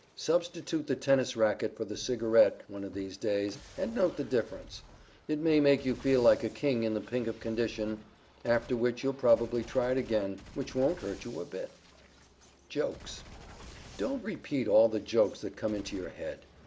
Substitute the tennis racquet for the cigarette, one of these days, and note the difference. It may make you feel like a King in the pink of condition; after which you'll probably try it again, which won't hurt you a bit. [Sidenote: JOKES] Don't repeat all the jokes that come into your head.